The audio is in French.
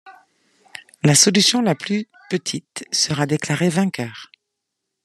La solution la plus petite sera déclarée vainqueur.